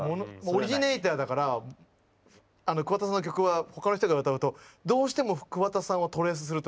オリジネーターだから桑田さんの曲は他の人が歌うとどうしても桑田さんをトレースするというか。